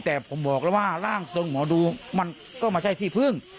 แต่ผมบอกแล้วว่าร่างทรงหมอดูมันก็ไม่ใช่ที่พึ่ง